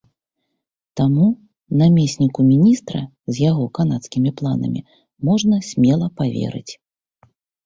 Таму намесніку міністра з яго канадскімі планамі можна смела паверыць.